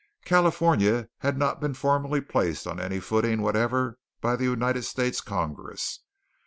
California had not been formally placed on any footing whatever by the United States Congress.